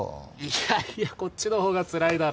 いやいやこっちのほうがつらいだろ！